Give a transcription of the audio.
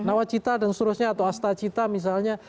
nawacita dan seterusnya atau astacita misalnya